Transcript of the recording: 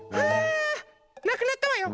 なくなったわよ。